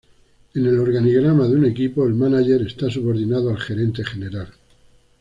En el organigrama de un equipo, el mánager está subordinado al gerente general.